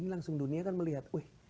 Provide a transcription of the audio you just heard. langsung dunia kan melihat